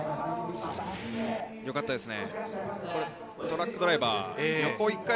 よかったですね。